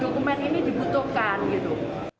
dokumen ini dibutuhkan gitu